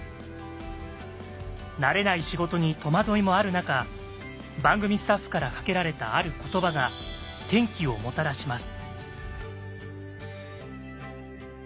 慣れない仕事に戸惑いもある中番組スタッフからかけられたある言葉が転機をもたらします。